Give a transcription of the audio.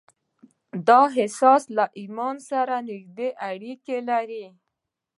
دا احساس له ايمان سره نږدې اړيکې لري.